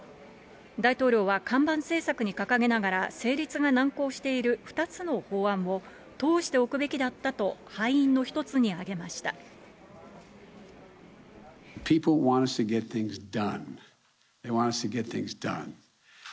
大統領は看板政策に掲げながら成立が難航している２つの法案を通しておくべきだったと敗因の一つに挙げました。